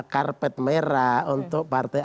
karpet merah untuk partai